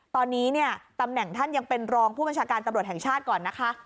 ตอนนี้เนี่ยตำแหน่งท่านยังเป็นรองผู้บัญชาการตำรวจแห่งชาติก่อนนะคะ